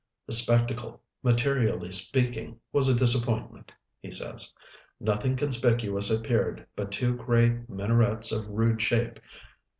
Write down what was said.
"The spectacle, materially speaking, was a disappointment," he says. "Nothing conspicuous appeared but two gray minarets of rude shape.